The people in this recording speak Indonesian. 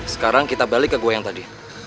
sekarang kita balik ke gue yang tadi